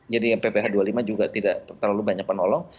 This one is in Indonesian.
jadi yang pph dua puluh lima juga tidak terlalu banyak penolong